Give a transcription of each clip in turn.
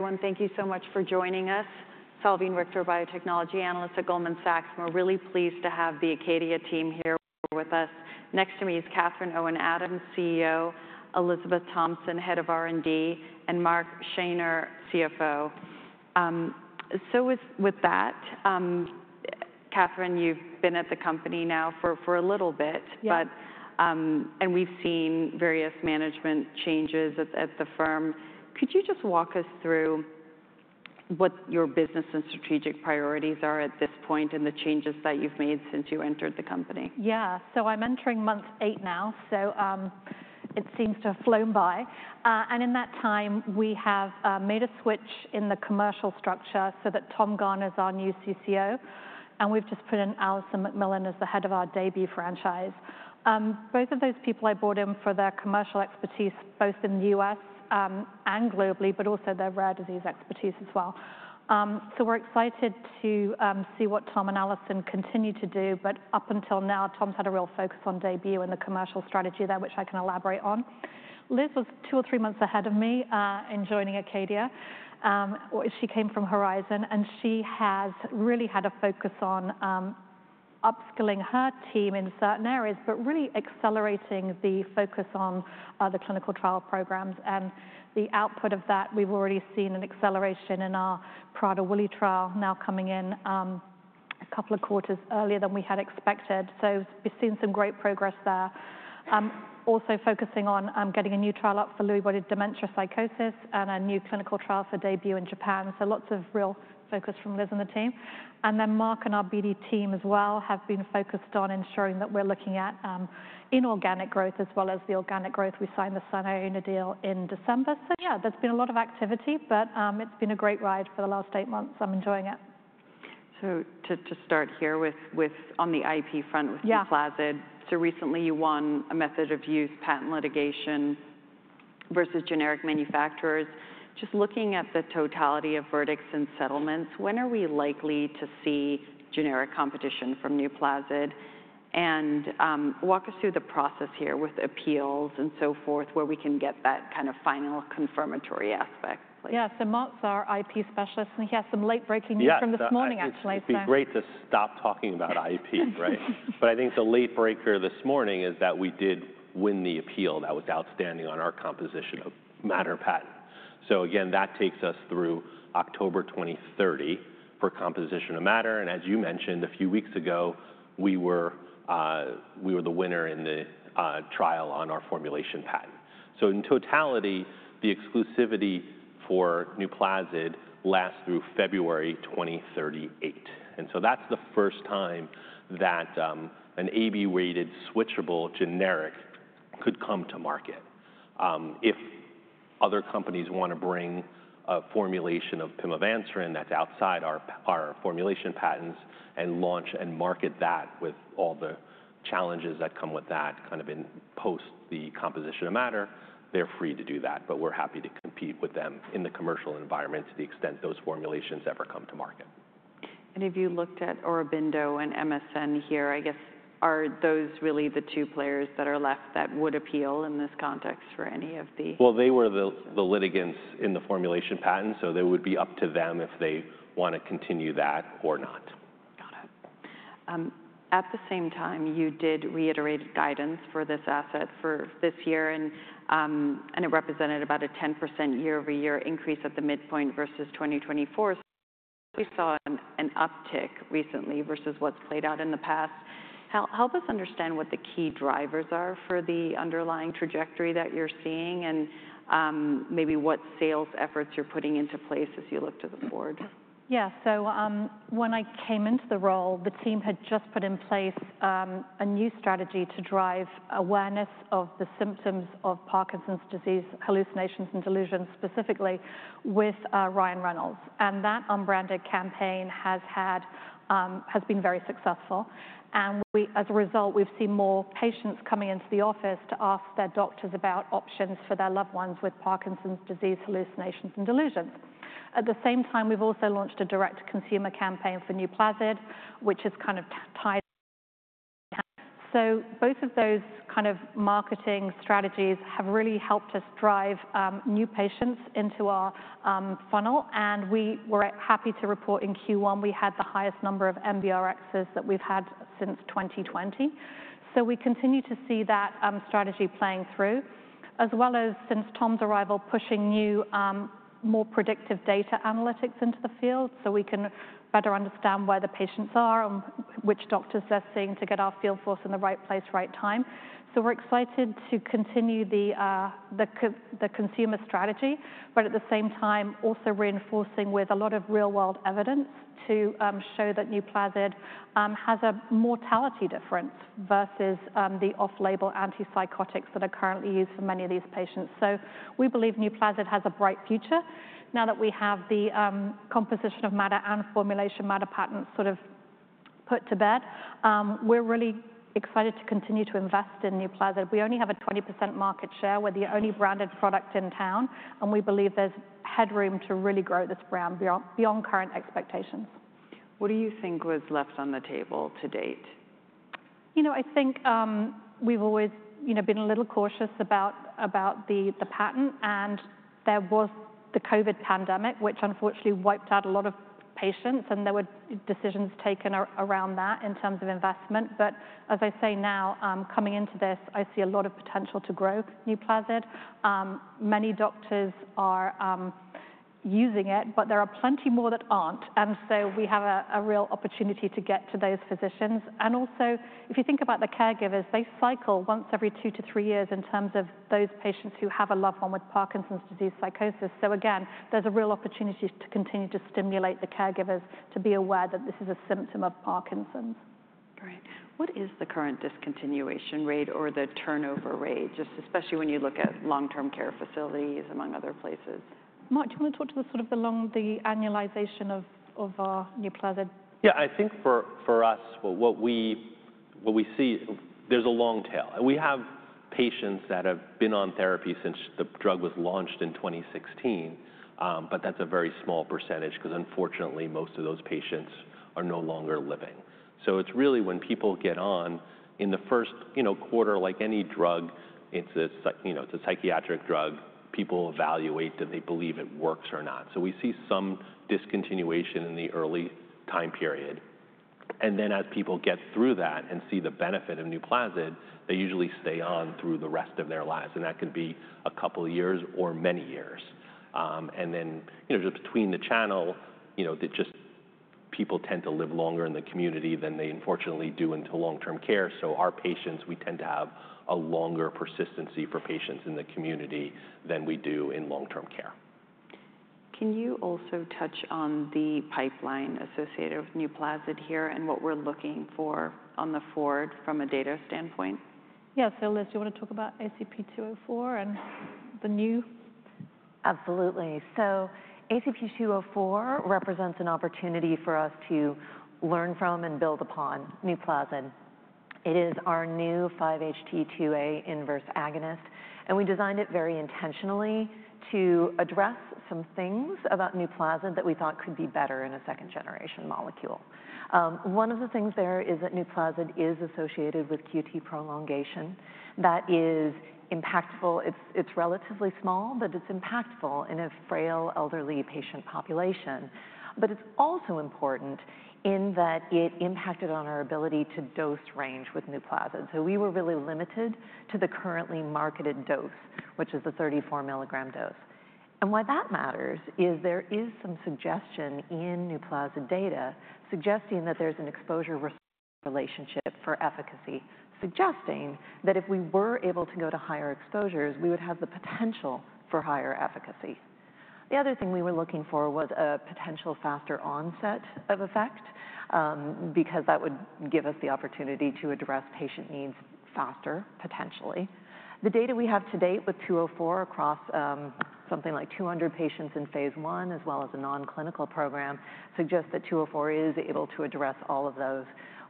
Everyone, thank you so much for joining us. Salveen Richter, biotechnology analyst at Goldman Sachs. We're really pleased to have the ACADIA team here with us. Next to me is Catherine Owen Adams, CEO, Elizabeth Thompson, Head of R&D, and Mark Schneyer, CFO. With that, Catherine, you've been at the company now for a little bit, and we've seen various management changes at the firm. Could you just walk us through what your business and strategic priorities are at this point and the changes that you've made since you entered the company? Yeah, so I'm entering month eight now, so it seems to have flown by. In that time, we have made a switch in the commercial structure so that Tom Garner is our new CCO, and we've just put in Alison McMillan as the head of our Daybue franchise. Both of those people I brought in for their commercial expertise, both in the US and globally, but also their rare disease expertise as well. We're excited to see what Tom and Alison continue to do, but up until now, Tom's had a real focus on Daybue and the commercial strategy there, which I can elaborate on. Liz was two or three months ahead of me in joining ACADIA. She came from Horizon, and she has really had a focus on upskilling her team in certain areas, but really accelerating the focus on the clinical trial programs. The output of that, we've already seen an acceleration in our Prader-Willi trial now coming in a couple of quarters earlier than we had expected. We've seen some great progress there. Also focusing on getting a new trial up for Lewy body dementia psychosis and a new clinical trial for Daybue in Japan. Lots of real focus from Liz and the team. Mark and our BD team as well have been focused on ensuring that we're looking at inorganic growth as well as the organic growth. We signed our own deal in December. Yeah, there's been a lot of activity, but it's been a great ride for the last eight months. I'm enjoying it. To start here with on the IP front with Nuplazid, recently you won a method of use patent litigation versus generic manufacturers. Just looking at the totality of verdicts and settlements, when are we likely to see generic competition from Nuplazid? Walk us through the process here with appeals and so forth, where we can get that kind of final confirmatory aspect. Yeah, so Mark's our IP specialist, and he has some late breaking news from this morning, actually. Yeah, it'd be great to stop talking about IP, right? I think the late breaker this morning is that we did win the appeal that was outstanding on our composition of matter patent. That takes us through October 2030 for composition of matter. As you mentioned a few weeks ago, we were the winner in the trial on our formulation patent. In totality, the exclusivity for Nuplazid lasts through February 2038. That is the first time that an AB-weighted switchable generic could come to market. If other companies want to bring a formulation of pimavanserin that's outside our formulation patents and launch and market that with all the challenges that come with that kind of in post the composition of matter, they're free to do that. We're happy to compete with them in the commercial environment to the extent those formulations ever come to market. If you looked at Aurobindo and MSN here, I guess, are those really the two players that are left that would appeal in this context for any of the. They were the litigants in the formulation patent, so it would be up to them if they want to continue that or not. Got it. At the same time, you did reiterate guidance for this asset for this year, and it represented about a 10% year-over-year increase at the midpoint versus 2024. We saw an uptick recently versus what's played out in the past. Help us understand what the key drivers are for the underlying trajectory that you're seeing and maybe what sales efforts you're putting into place as you look to the forward. Yeah, so when I came into the role, the team had just put in place a new strategy to drive awareness of the symptoms of Parkinson's disease, hallucinations, and delusions specifically with Ryan Reynolds. That unbranded campaign has been very successful. As a result, we've seen more patients coming into the office to ask their doctors about options for their loved ones with Parkinson's disease, hallucinations, and delusions. At the same time, we've also launched a direct-to-consumer campaign for Nuplazid, which is kind of tied. Both of those kind of marketing strategies have really helped us drive new patients into our funnel. We were happy to report in Q1 we had the highest number of MBRXs that we've had since 2020. We continue to see that strategy playing through, as well as since Tom's arrival, pushing new, more predictive data analytics into the field so we can better understand where the patients are and which doctors they're seeing to get our field force in the right place, right time. We're excited to continue the consumer strategy, but at the same time, also reinforcing with a lot of real-world evidence to show that Nuplazid has a mortality difference versus the off-label antipsychotics that are currently used for many of these patients. We believe Nuplazid has a bright future. Now that we have the composition of matter and formulation matter patents sort of put to bed, we're really excited to continue to invest in Nuplazid. We only have a 20% market share. We're the only branded product in town, and we believe there's headroom to really grow this brand beyond current expectations. What do you think was left on the table to date? You know, I think we've always been a little cautious about the patent. There was the COVID pandemic, which unfortunately wiped out a lot of patients, and there were decisions taken around that in terms of investment. As I say now, coming into this, I see a lot of potential to grow Nuplazid. Many doctors are using it, but there are plenty more that aren't. We have a real opportunity to get to those physicians. Also, if you think about the caregivers, they cycle once every two to three years in terms of those patients who have a loved one with Parkinson's disease psychosis. Again, there's a real opportunity to continue to stimulate the caregivers to be aware that this is a symptom of Parkinson's. Great. What is the current discontinuation rate or the turnover rate, just especially when you look at long-term care facilities among other places? Mark, do you want to talk to us sort of the annualization of Nuplazid? Yeah, I think for us, what we see, there's a long tail. We have patients that have been on therapy since the drug was launched in 2016, but that's a very small percentage because unfortunately, most of those patients are no longer living. It is really when people get on in the first quarter, like any drug, it's a psychiatric drug. People evaluate that they believe it works or not. We see some discontinuation in the early time period. As people get through that and see the benefit of Nuplazid, they usually stay on through the rest of their lives. That can be a couple of years or many years. Just between the channel, people tend to live longer in the community than they unfortunately do into long-term care. Our patients, we tend to have a longer persistency for patients in the community than we do in long-term care. Can you also touch on the pipeline associated with Nuplazid here and what we're looking for on the forward from a data standpoint? Yeah, so Liz, do you want to talk about ACP204 and the new? Absolutely. ACP204 represents an opportunity for us to learn from and build upon Nuplazid. It is our new 5-HT2A inverse agonist. We designed it very intentionally to address some things about Nuplazid that we thought could be better in a second-generation molecule. One of the things there is that Nuplazid is associated with QT prolongation. That is impactful. It is relatively small, but it is impactful in a frail, elderly patient population. It is also important in that it impacted our ability to dose range with Nuplazid. We were really limited to the currently marketed dose, which is the 34 milligram dose. Why that matters is there is some suggestion in Nuplazid data suggesting that there is an exposure-relationship for efficacy, suggesting that if we were able to go to higher exposures, we would have the potential for higher efficacy. The other thing we were looking for was a potential faster onset of effect because that would give us the opportunity to address patient needs faster, potentially. The data we have to date with 204 across something like 200 patients in phase one, as well as a non-clinical program, suggests that 204 is able to address all of those.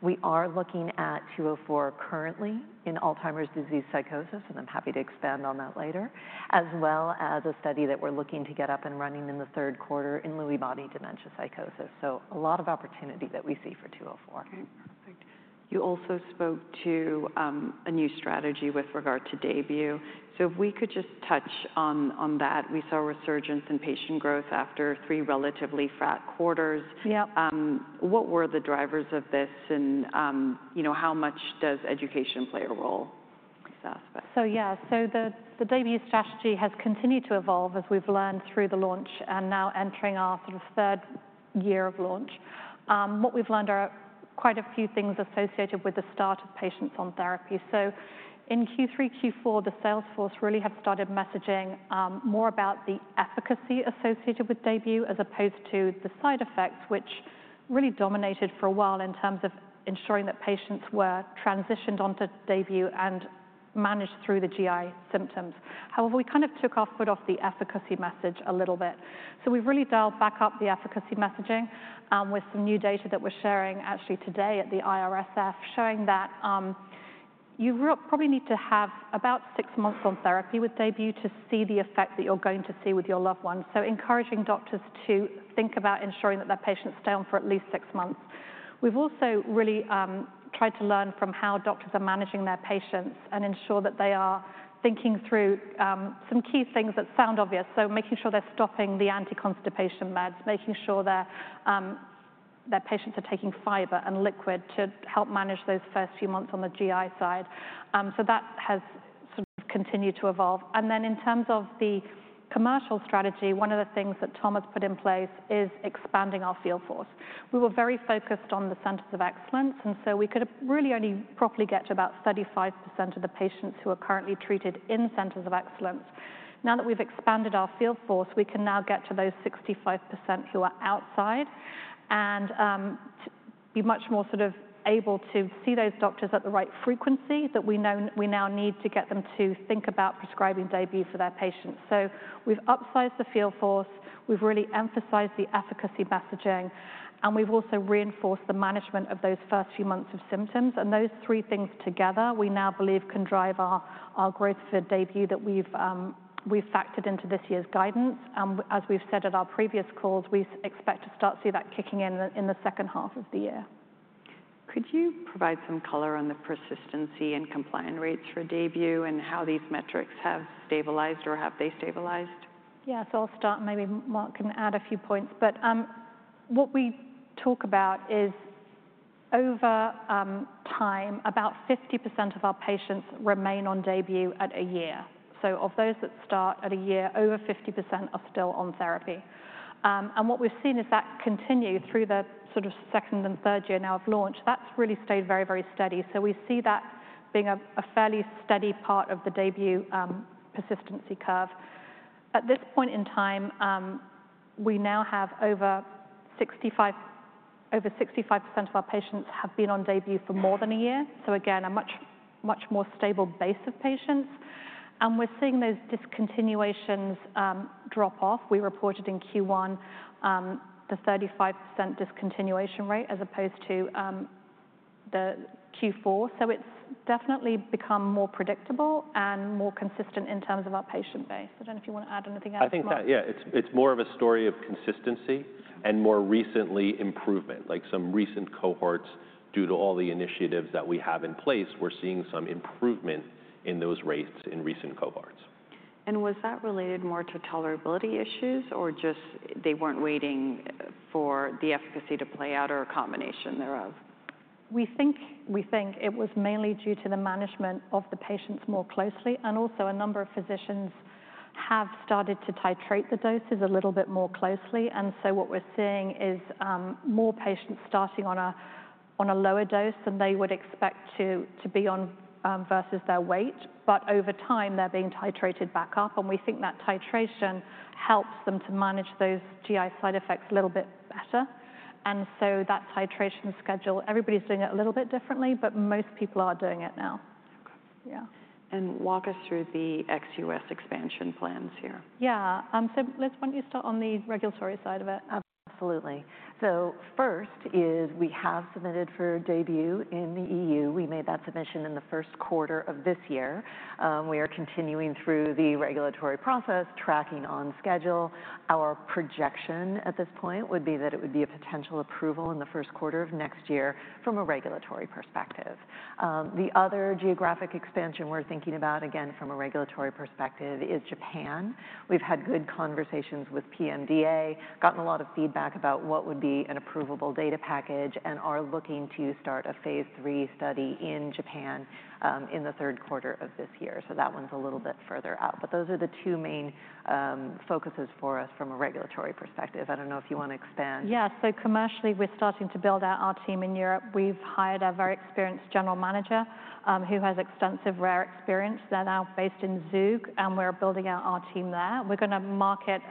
We are looking at 204 currently in Alzheimer's disease psychosis, and I'm happy to expand on that later, as well as a study that we're looking to get up and running in the third quarter in Lewy body dementia psychosis. A lot of opportunity that we see for 204. Okay, perfect. You also spoke to a new strategy with regard to Daybue. If we could just touch on that. We saw resurgence in patient growth after three relatively flat quarters. What were the drivers of this? How much does education play a role in this aspect? Yeah, the Daybue strategy has continued to evolve as we've learned through the launch and now entering our sort of third year of launch. What we've learned are quite a few things associated with the start of patients on therapy. In Q3, Q4, the sales force really had started messaging more about the efficacy associated with Daybue as opposed to the side effects, which really dominated for a while in terms of ensuring that patients were transitioned onto Daybue and managed through the GI symptoms. However, we kind of took our foot off the efficacy message a little bit. We've really dialed back up the efficacy messaging with some new data that we're sharing actually today at the IRSF, showing that you probably need to have about six months on therapy with Daybue to see the effect that you're going to see with your loved ones. Encouraging doctors to think about ensuring that their patients stay on for at least six months. We've also really tried to learn from how doctors are managing their patients and ensure that they are thinking through some key things that sound obvious. Making sure they're stopping the anti-constipation meds, making sure their patients are taking fiber and liquid to help manage those first few months on the GI side. That has sort of continued to evolve. In terms of the commercial strategy, one of the things that Tom has put in place is expanding our field force. We were very focused on the centers of excellence, and so we could really only properly get to about 35% of the patients who are currently treated in centers of excellence. Now that we've expanded our field force, we can now get to those 65% who are outside and be much more sort of able to see those doctors at the right frequency that we now need to get them to think about prescribing Daybue for their patients. We've upsized the field force. We've really emphasized the efficacy messaging, and we've also reinforced the management of those first few months of symptoms. Those three things together, we now believe, can drive our growth for Daybue that we've factored into this year's guidance. As we've said at our previous calls, we expect to start to see that kicking in in the second half of the year. Could you provide some color on the persistency and compliance rates for Daybue and how these metrics have stabilized or have they stabilized? Yeah, so I'll start, and maybe Mark can add a few points. What we talk about is over time, about 50% of our patients remain on Daybue at a year. Of those that start, at a year, over 50% are still on therapy. What we've seen is that continue through the sort of second and third year now of launch. That's really stayed very, very steady. We see that being a fairly steady part of the Daybue persistency curve. At this point in time, we now have over 65% of our patients have been on Daybue for more than a year. Again, a much more stable base of patients. We're seeing those discontinuations drop off. We reported in Q1 the 35% discontinuation rate as opposed to the Q4. It's definitely become more predictable and more consistent in terms of our patient base. I don't know if you want to add anything out of that. I think that, yeah, it's more of a story of consistency and more recently improvement, like some recent cohorts due to all the initiatives that we have in place. We're seeing some improvement in those rates in recent cohorts. Was that related more to tolerability issues or just they were not waiting for the efficacy to play out or a combination thereof? We think it was mainly due to the management of the patients more closely. Also, a number of physicians have started to titrate the doses a little bit more closely. What we are seeing is more patients starting on a lower dose than they would expect to be on versus their weight. Over time, they are being titrated back up. We think that titration helps them to manage those GI side effects a little bit better. That titration schedule, everybody is doing it a little bit differently, but most people are doing it now. Okay. Yeah. Walk us through the XUS expansion plans here. Yeah. So Liz, why don't you start on the regulatory side of it? Absolutely. First is we have submitted for Daybue in the EU. We made that submission in the first quarter of this year. We are continuing through the regulatory process, tracking on schedule. Our projection at this point would be that it would be a potential approval in the first quarter of next year from a regulatory perspective. The other geographic expansion we're thinking about, again, from a regulatory perspective, is Japan. We've had good conversations with PMDA, gotten a lot of feedback about what would be an approvable data package, and are looking to start a phase 3 study in Japan in the third quarter of this year. That one's a little bit further out. Those are the two main focuses for us from a regulatory perspective. I don't know if you want to expand. Yeah, so commercially, we're starting to build out our team in Europe. We've hired a very experienced general manager who has extensive rare experience. They're now based in Zug, and we're building out our team there. We're going to market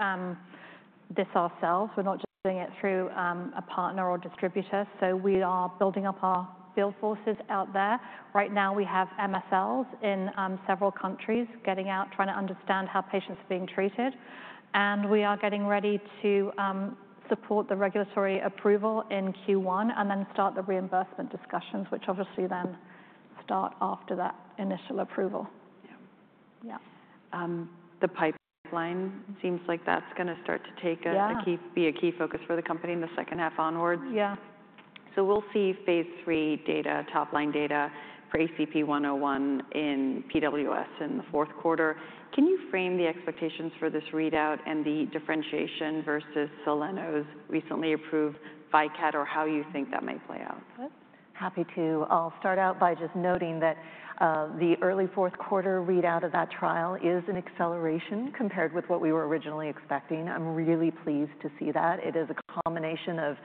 this ourselves. We're not just doing it through a partner or distributor. We are building up our field forces out there. Right now, we have MSLs in several countries getting out, trying to understand how patients are being treated. We are getting ready to support the regulatory approval in Q1 and then start the reimbursement discussions, which obviously then start after that initial approval. Yeah. Yeah. The pipeline seems like that's going to start to be a key focus for the company in the second half onwards. Yeah. We'll see phase three data, top-line data for ACP101 in PWS in the fourth quarter. Can you frame the expectations for this readout and the differentiation versus Soleno's recently approved VYCAD or how you think that might play out? Happy to start out by just noting that the early fourth quarter readout of that trial is an acceleration compared with what we were originally expecting. I'm really pleased to see that. It is a combination of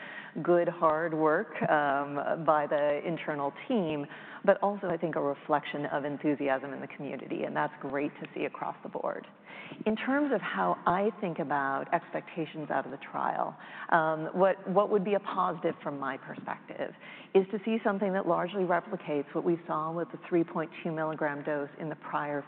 good hard work by the internal team, but also I think a reflection of enthusiasm in the community. That's great to see across the board. In terms of how I think about expectations out of the trial, what would be a positive from my perspective is to see something that largely replicates what we saw with the 3.2 milligram dose in the prior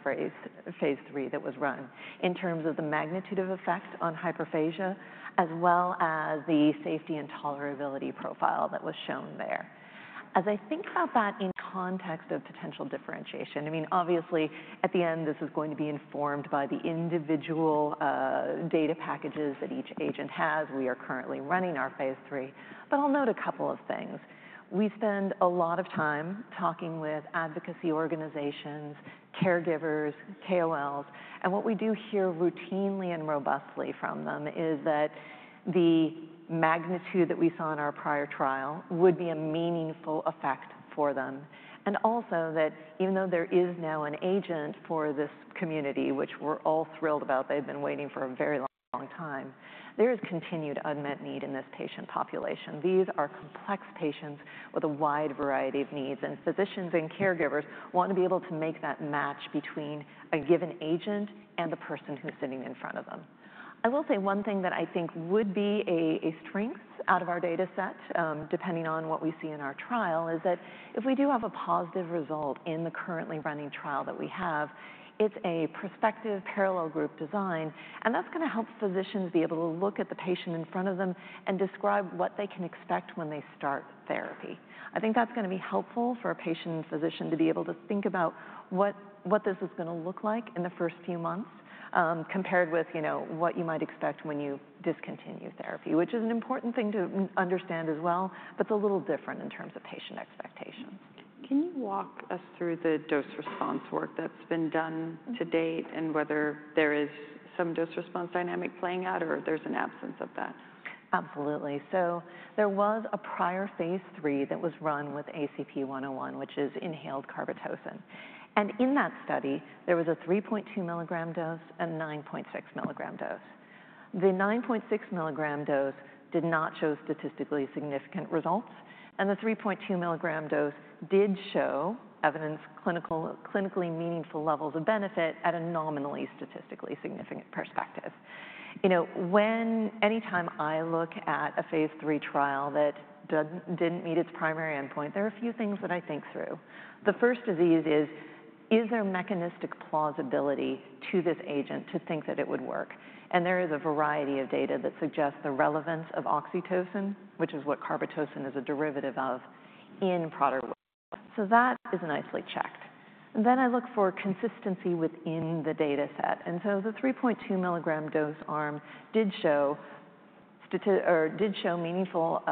phase three that was run in terms of the magnitude of effect on hyperphagia, as well as the safety and tolerability profile that was shown there. As I think about that in context of potential differentiation, I mean, obviously, at the end, this is going to be informed by the individual data packages that each agent has. We are currently running our phase three. I will note a couple of things. We spend a lot of time talking with advocacy organizations, caregivers, KOLs. What we do hear routinely and robustly from them is that the magnitude that we saw in our prior trial would be a meaningful effect for them. Also, even though there is now an agent for this community, which we are all thrilled about, they have been waiting for a very long time, there is continued unmet need in this patient population. These are complex patients with a wide variety of needs. Physicians and caregivers want to be able to make that match between a given agent and the person who's sitting in front of them. I will say one thing that I think would be a strength out of our data set, depending on what we see in our trial, is that if we do have a positive result in the currently running trial that we have, it's a prospective parallel group design. That is going to help physicians be able to look at the patient in front of them and describe what they can expect when they start therapy. I think that's going to be helpful for a patient and physician to be able to think about what this is going to look like in the first few months compared with what you might expect when you discontinue therapy, which is an important thing to understand as well, but it's a little different in terms of patient expectations. Can you walk us through the dose response work that's been done to date and whether there is some dose response dynamic playing out or there's an absence of that? Absolutely. There was a prior phase three that was run with ACP101, which is inhaled carbetocin. In that study, there was a 3.2 milligram dose and a 9.6 milligram dose. The 9.6 milligram dose did not show statistically significant results. The 3.2 milligram dose did show evidence, clinically meaningful levels of benefit at a nominally statistically significant perspective. Anytime I look at a phase three trial that did not meet its primary endpoint, there are a few things that I think through. The first of these is, is there mechanistic plausibility to this agent to think that it would work? There is a variety of data that suggests the relevance of oxytocin, which is what carbetocin is a derivative of, in Prader-Willi. That is nicely checked. I look for consistency within the data set. The 3.2 milligram dose arm did show meaningful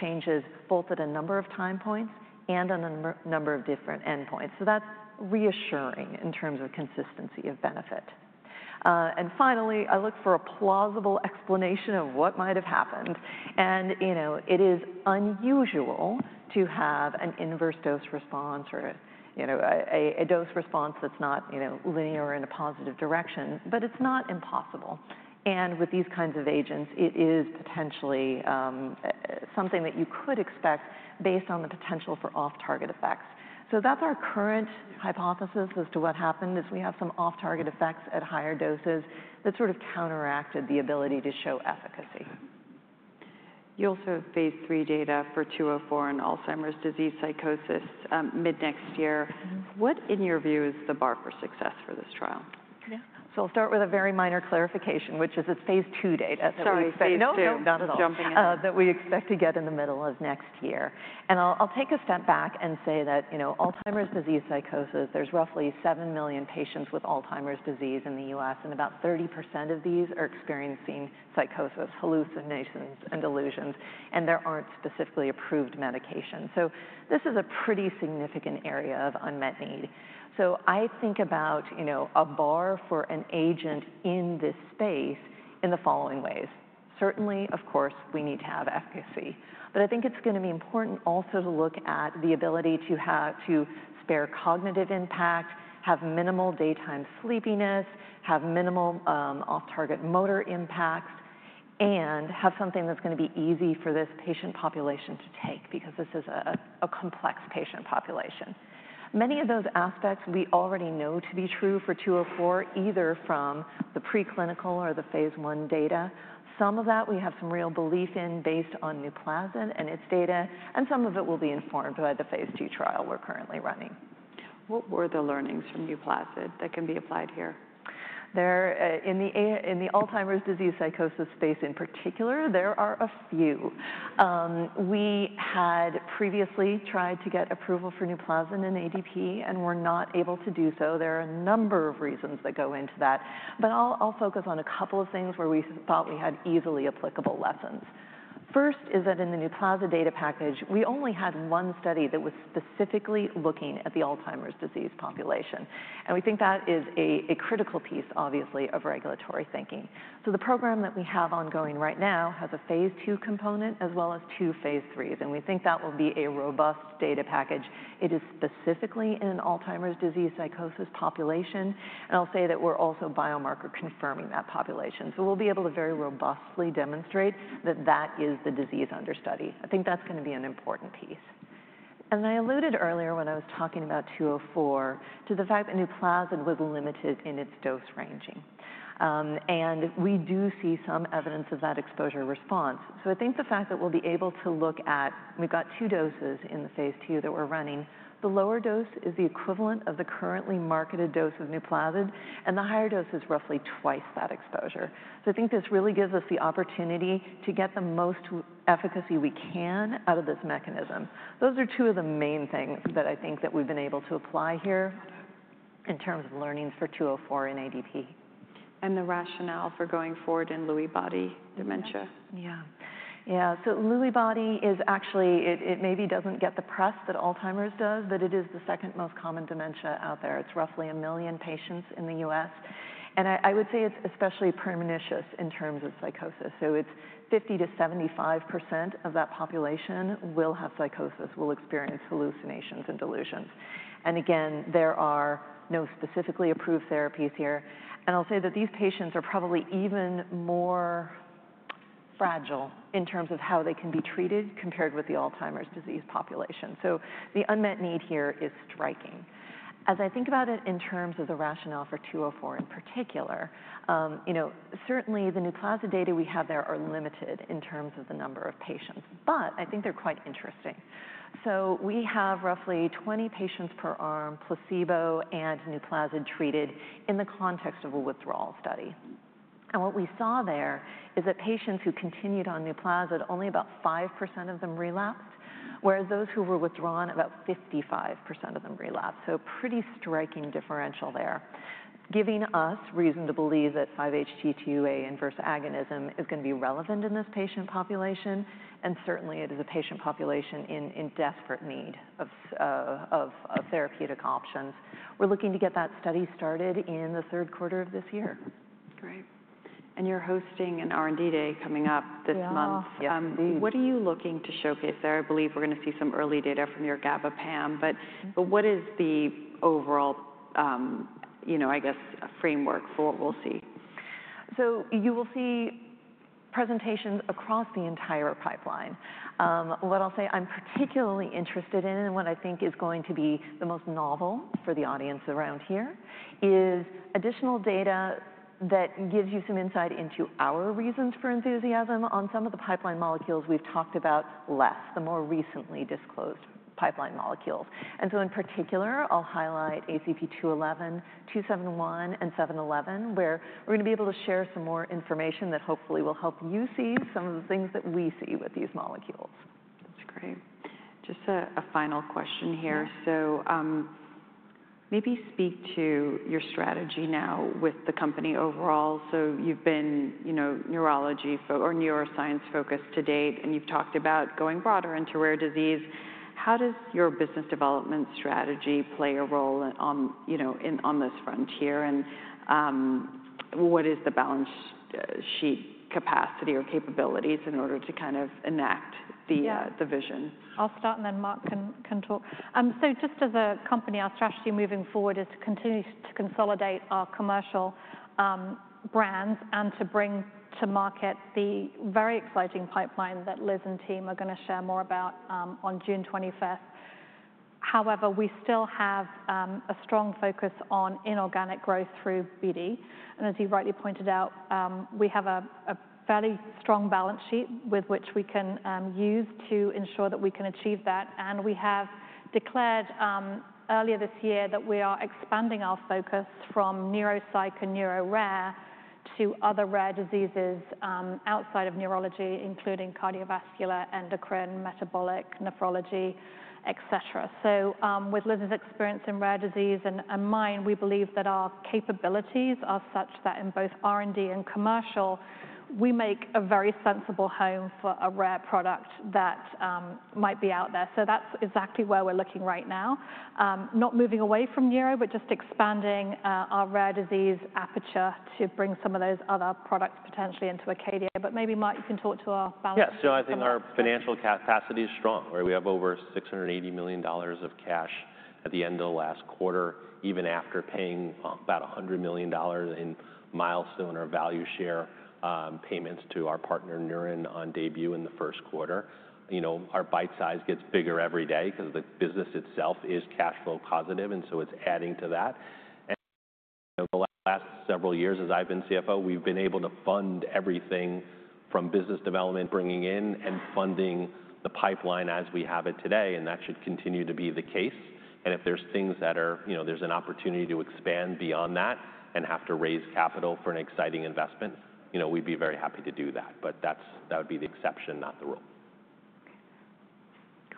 changes both at a number of time points and on a number of different endpoints. That is reassuring in terms of consistency of benefit. Finally, I look for a plausible explanation of what might have happened. It is unusual to have an inverse dose response or a dose response that is not linear in a positive direction, but it is not impossible. With these kinds of agents, it is potentially something that you could expect based on the potential for off-target effects. That is our current hypothesis as to what happened: we have some off-target effects at higher doses that sort of counteracted the ability to show efficacy. You also have phase three data for 204 and Alzheimer's disease psychosis mid next year. What, in your view, is the bar for success for this trial? Yeah. I'll start with a very minor clarification, which is it's phase 2 data. Sorry, phase two. No, no, not at all. Jumping in. That we expect to get in the middle of next year. I'll take a step back and say that Alzheimer's disease psychosis, there's roughly 7 million patients with Alzheimer's disease in the US, and about 30% of these are experiencing psychosis, hallucinations, and delusions. There aren't specifically approved medications. This is a pretty significant area of unmet need. I think about a bar for an agent in this space in the following ways. Certainly, of course, we need to have efficacy. I think it's going to be important also to look at the ability to spare cognitive impact, have minimal daytime sleepiness, have minimal off-target motor impacts, and have something that's going to be easy for this patient population to take because this is a complex patient population. Many of those aspects we already know to be true for 204, either from the preclinical or the phase one data. Some of that we have some real belief in based on Nuplazid and its data. Some of it will be informed by the phase two trial we're currently running. What were the learnings from Nuplazid that can be applied here? In the Alzheimer's disease psychosis space in particular, there are a few. We had previously tried to get approval for Nuplazid in ADP and were not able to do so. There are a number of reasons that go into that. I'll focus on a couple of things where we thought we had easily applicable lessons. First is that in the Nuplazid data package, we only had one study that was specifically looking at the Alzheimer's disease population. We think that is a critical piece, obviously, of regulatory thinking. The program that we have ongoing right now has a phase two component as well as two phase threes. We think that will be a robust data package. It is specifically in an Alzheimer's disease psychosis population. I'll say that we're also biomarker confirming that population. We'll be able to very robustly demonstrate that that is the disease under study. I think that's going to be an important piece. I alluded earlier when I was talking about 204 to the fact that Nuplazid was limited in its dose ranging. We do see some evidence of that exposure response. I think the fact that we'll be able to look at, we've got two doses in the phase two that we're running. The lower dose is the equivalent of the currently marketed dose of Nuplazid, and the higher dose is roughly twice that exposure. I think this really gives us the opportunity to get the most efficacy we can out of this mechanism. Those are two of the main things that I think that we've been able to apply here in terms of learnings for 204 and ADP. The rationale for going forward in Lewy body dementia. Yeah. Yeah. Lewy body is actually, it maybe doesn't get the press that Alzheimer's does, but it is the second most common dementia out there. It's roughly a million patients in the US. I would say it's especially pernicious in terms of psychosis. It's 50-75% of that population will have psychosis, will experience hallucinations and delusions. Again, there are no specifically approved therapies here. I'll say that these patients are probably even more fragile in terms of how they can be treated compared with the Alzheimer's disease population. The unmet need here is striking. As I think about it in terms of the rationale for 204 in particular, certainly the Nuplazid data we have there are limited in terms of the number of patients. I think they're quite interesting. We have roughly 20 patients per arm, placebo and Nuplazid treated, in the context of a withdrawal study. What we saw there is that patients who continued on Nuplazid, only about 5% of them relapsed, whereas those who were withdrawn, about 55% of them relapsed. A pretty striking differential there, giving us reason to believe that 5-HT2A inverse agonism is going to be relevant in this patient population. Certainly, it is a patient population in desperate need of therapeutic options. We're looking to get that study started in the third quarter of this year. Great. You're hosting an R&D day coming up this month. Yes indeed. What are you looking to showcase there? I believe we're going to see some early data from your GABA PAM. What is the overall, I guess, framework for what we'll see? You will see presentations across the entire pipeline. What I'll say I'm particularly interested in, and what I think is going to be the most novel for the audience around here, is additional data that gives you some insight into our reasons for enthusiasm on some of the pipeline molecules we've talked about less, the more recently disclosed pipeline molecules. In particular, I'll highlight ACP211, 271, and 711, where we're going to be able to share some more information that hopefully will help you see some of the things that we see with these molecules. That's great. Just a final question here. Maybe speak to your strategy now with the company overall. You've been neurology or neuroscience focused to date, and you've talked about going broader into rare disease. How does your business development strategy play a role on this frontier? What is the balance sheet capacity or capabilities in order to kind of enact the vision? I'll start, and then Mark can talk. Just as a company, our strategy moving forward is to continue to consolidate our commercial brands and to bring to market the very exciting pipeline that Liz and team are going to share more about on June 25th. However, we still have a strong focus on inorganic growth through BD. As you rightly pointed out, we have a fairly strong balance sheet with which we can use to ensure that we can achieve that. We have declared earlier this year that we are expanding our focus from neuropsychoneuro rare to other rare diseases outside of neurology, including cardiovascular, endocrine, metabolic, nephrology, etc. With Liz's experience in rare disease and mine, we believe that our capabilities are such that in both R&D and commercial, we make a very sensible home for a rare product that might be out there. That's exactly where we're looking right now. Not moving away from neuro, but just expanding our rare disease aperture to bring some of those other products potentially into Acadia. Maybe Mark, you can talk to our balance sheet. Yeah, so I think our financial capacity is strong, where we have over $680 million of cash at the end of the last quarter, even after paying about $100 million in milestone or value share payments to our partner Neurim on Daybue in the first quarter. Our bite size gets bigger every day because the business itself is cash flow positive. It is adding to that. The last several years, as I've been CFO, we've been able to fund everything from business development, bringing in and funding the pipeline as we have it today. That should continue to be the case. If there are things that there's an opportunity to expand beyond that and have to raise capital for an exciting investment, we'd be very happy to do that. That would be the exception, not the rule.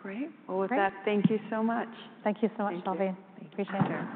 Great. With that, thank you so much. Thank you so much, Shelby. Appreciate it.